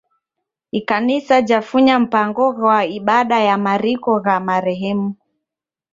Ikanisa jafunya mpango ghwa ibada ya mariko gha marehemu.